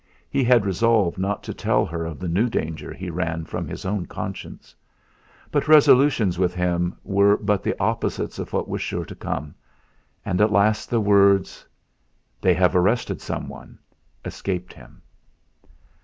He had resolved not to tell her of the new danger he ran from his own conscience. But resolutions with him were but the opposites of what was sure to come; and at last the words: "They've arrested someone," escaped him.